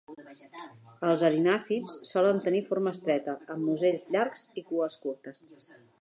Els erinàcids solen tenir forma estreta, amb musells llargs i cues curtes.